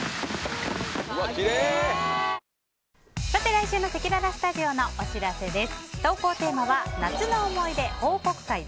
来週のせきららスタジオのお知らせです。